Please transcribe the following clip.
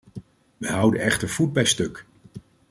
Wij houden echter voet bij stuk.